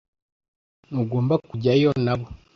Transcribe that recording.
Ntugomba kujyayo nabo.